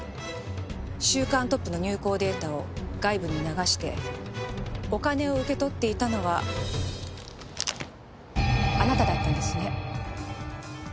『週刊トップ』の入稿データを外部に流してお金を受け取っていたのはあなただったんですね。